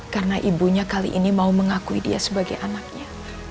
karena ibunya kali ini mau mengakui dia sebagai anaknya